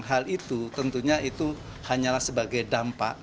hal itu tentunya itu hanyalah sebagai dampak